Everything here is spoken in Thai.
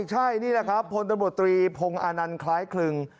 ใช่นี่แหละครับพลตำรวจตรีพงศ์อานันต์คล้ายคลึง